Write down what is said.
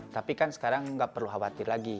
tapi kan sekarang nggak perlu khawatir lagi